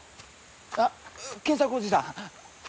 あっ賢作おじさん。